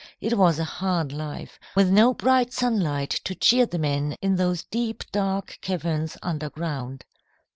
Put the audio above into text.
It was a hard life, with no bright sunlight to cheer the men in those deep, dark caverns underground.